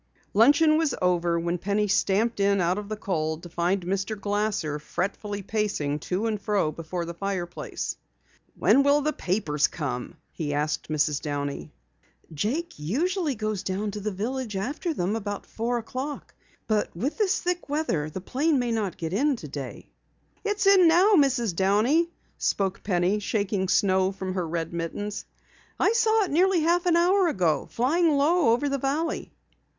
Luncheon was over when Penny stamped in out of the cold to find Mr. Glasser fretfully pacing to and fro before the fireplace. "When will the papers come?" he asked Mrs. Downey. "Jake usually goes down to the village after them about four o'clock. But with this thick weather, the plane may not get in today." "It's in now, Mrs. Downey," spoke Penny, shaking snow from her red mittens. "I saw it nearly half an hour ago, flying low over the valley."